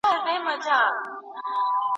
استاد یوازې د مقالي لومړۍ بڼه سموي.